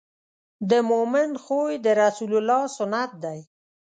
د مؤمن خوی د رسول الله سنت دی.